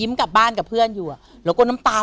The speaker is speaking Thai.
กลับบ้านกับเพื่อนอยู่อ่ะแล้วก็น้ำตา